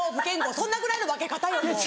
そんなぐらいの分け方よ